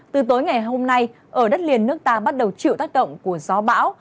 từ tối ngày hôm nay ở đất liền nước ta bắt đầu chịu tác động của gió bão